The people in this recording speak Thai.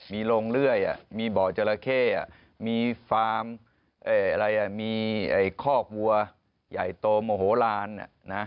มีโรงเรื่อยมีบ่อเจราเข้มีคอกวัวใหญ่โตโมโหลาน